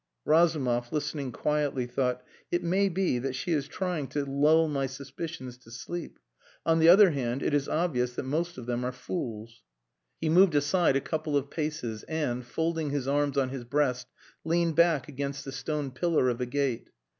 Razumov, listening quietly, thought: "It may be that she is trying to lull my suspicions to sleep. On the other hand, it is obvious that most of them are fools." He moved aside a couple of paces and, folding his arms on his breast, leaned back against the stone pillar of the gate.